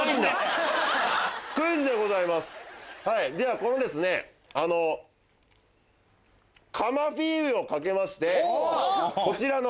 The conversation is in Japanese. このカマフィーユを懸けましてこちらの。